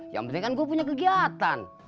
yang penting kan gue punya kegiatan